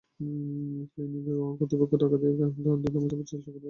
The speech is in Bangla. ক্লিনিক কর্তৃপক্ষ টাকা দিয়ে ঘটনা ধামাচাপা দেওয়ার চেষ্টা করলেও টাকা নেননি রুপার পরিবার।